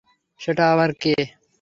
সেটা আবার কে?